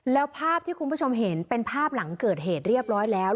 แล้วภาพที่คุณผู้ชมเห็นเป็นภาพหลังเกิดเหตุเรียบร้อยแล้ว